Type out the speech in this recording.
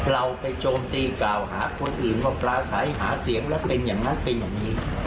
เราไปโจมตีกล่าวหาคนอื่นว่าปลาใสหาเสียงแล้วเป็นอย่างนั้นเป็นอย่างนี้